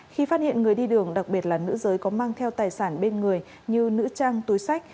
khi phát hiện người đi đường đặc biệt là nữ giới có mang theo tài sản bên người như nữ trang túi sách